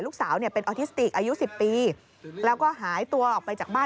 ลูกสาวเนี่ยเป็นออทิสติกอายุ๑๐ปีแล้วก็หายตัวออกไปจากบ้าน